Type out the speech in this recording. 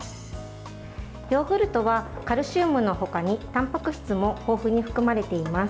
ヨーグルトはカルシウムの他にたんぱく質も豊富に含まれています。